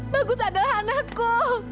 bagus adalah anakku